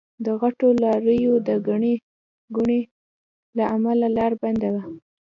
د غټو لاريو د ګڼې ګوڼې له امله لار بنده وه.